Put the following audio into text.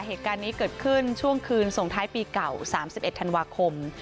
เหตุการณ์นี้เกิดขึ้นช่วงคืนส่งท้ายปีเก่า๓๑ธันวาคม